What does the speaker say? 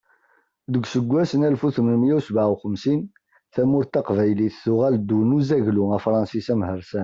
Deg useggas n alef u tmenmiyya u sebɛa u xemsin, tamurt taqbaylit tuɣal ddaw n uzaglu afṛensis amhersan.